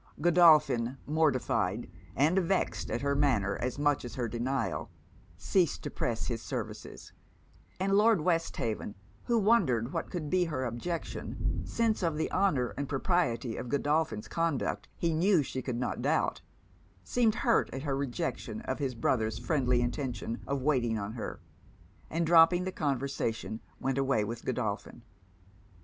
Godolphin, mortified and vexed at her manner as much as at her denial, ceased to press his services; and Lord Westhaven, who wondered what could be her objection, since of the honour and propriety of Godolphin's conduct he knew she could not doubt, seemed hurt at her rejection of his brother's friendly intention of waiting on her; and dropping the conversation, went away with Godolphin.